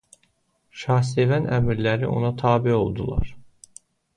Şahsevən əmirləri ona tabe oldular.